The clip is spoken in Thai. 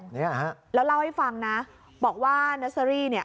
เนี่ยฮะแล้วเล่าให้ฟังนะบอกว่าเนอร์เซอรี่เนี่ย